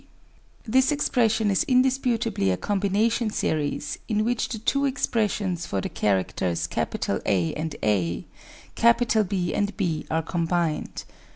This expression is indisputably a combination series in which the two expressions for the characters A and a, B and b are combined.